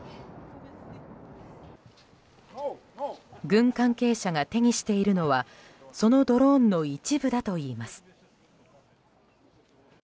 軍関係者が手にしているのはそのドローンの一部だといいます。